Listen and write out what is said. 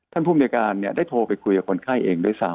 ภูมิในการได้โทรไปคุยกับคนไข้เองด้วยซ้ำ